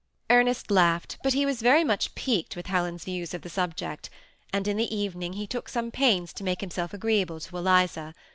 Ernest laughed, but he was very much piqued with Helen's views of the subject; and in the evening he took some pains to make himself agreeable to Eliza.